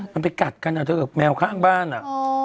มันไปกัดกันเท่ากับแมวข้างบ้านอะ